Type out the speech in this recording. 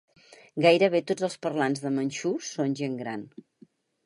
Gairebé tots els parlants de manxú són gent gran.